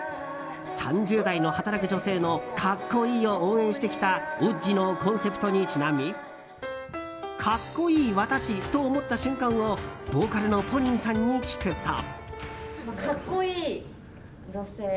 ３０代の働く女性の格好いいを応援してきた「Ｏｇｇｉ」のコンセプトにちなみ格好いい私と思った瞬間をボーカルのＰＯＲＩＮさんに聞くと。